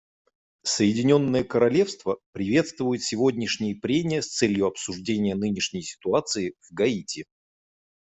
Соединенное Королевство приветствует сегодняшние прения с целью обсуждения нынешней ситуации в Гаити.